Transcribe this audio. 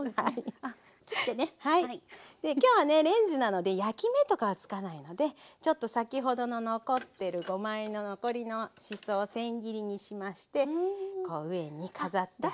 きょうはねレンジなので焼き目とかはつかないのでちょっと先ほどの残ってるごまあえの残りのしそをせん切りにしましてこう上にかざってあげる。